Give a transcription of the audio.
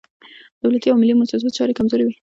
د دولتي او ملي موسسو چارې کمزورې وي.